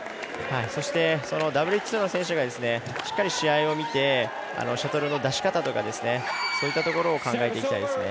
そして、そのＷＨ２の選手がしっかり試合を見てシャトルの出し方とかそういったところを考えていきたいですね。